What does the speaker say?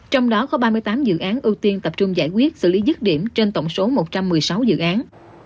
trong đó có ba mươi tám dự án ưu tiên tập trung giải quyết xử lý dứt điểm trên tổng số một trăm một mươi sáu dự án